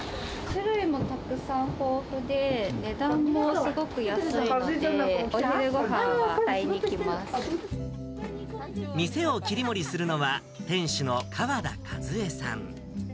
種類もたくさん豊富で、値段もすごく安いので、店を切り盛りするのは、店主の川田和枝さん。